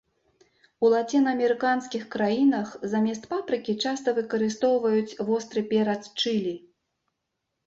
У лацінаамерыканскіх краінах замест папрыкі часта выкарыстоўваюць востры перац чылі.